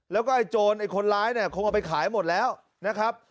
แล้วก็ไอ้โจรไอ้คนร้ายเนี่ยคงเอาไปขายหมดแล้วนะครับ